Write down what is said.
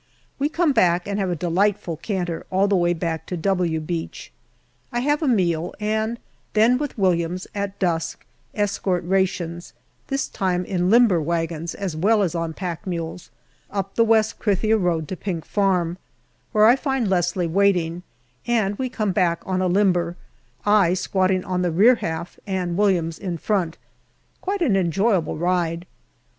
We come back and have a delightful canter all the way back to " W " Beach. I have a meal, and then, with Williams, at dusk escort rations, this time in Umber wagons as well as on pack mules, up the West Krithia road to Pink Farm, where I find Leslie waiting, and we come back on a limber, I squatting on the rear half and Williams in front ; quite an enjoyable ride.